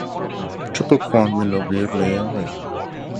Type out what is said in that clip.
Triple Crown winner Whirlaway.